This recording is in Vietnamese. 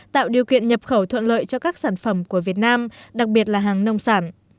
tạo điều kiện nhập khẩu thuận lợi cho các sản phẩm của việt nam đặc biệt là hàng nông sản